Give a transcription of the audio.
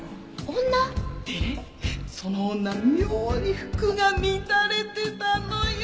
でねその女妙に服が乱れてたのよ！